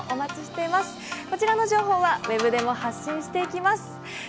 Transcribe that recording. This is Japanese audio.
こちらの情報はウェブでも発信していきます。